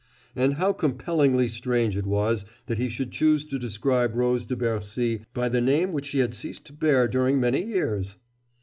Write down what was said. And how compellingly strange it was that he should choose to describe Rose de Bercy by the name which she had ceased to bear during many years!